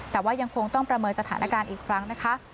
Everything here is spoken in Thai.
แต่ว่ายังคงต้องประเมินสถานการณ์อีกครั้งนะคะ